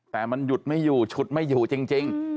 แต่มันหยุดไม่อยู่ฉุดไม่อยู่จริง